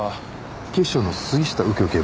警視庁の杉下右京警部です。